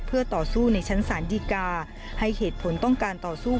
เพื่อต่อสู้ในชั้นศาลดีกาให้เหตุผลต้องการต่อสู้